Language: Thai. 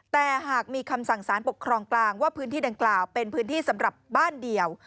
แต่หากมีคำสั่งสารปกครองกลางว่าพื้นที่ดังกล่าวเป็นพื้นที่สำหรับบ้านเดียว